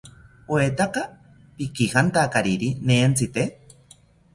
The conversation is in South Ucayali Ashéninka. ¿Oetaka pikijantakariri nentzite?